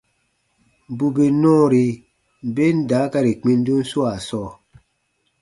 Bù bè nɔɔri ben daakari kpindun swaa sɔɔ,